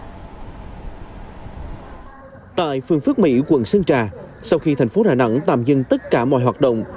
tại phương phước mỹ quận sơn trà sau khi thành phố đà nẵng tạm dừng tất cả mọi hoạt động